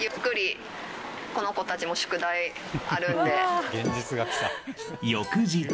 ゆっくり、この子たちも宿題翌日。